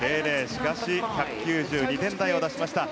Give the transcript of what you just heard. しかし１９２点台を出しました。